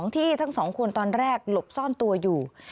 ที่ทั้งสองคนตอนแรกหลบซ่อนตัวอยู่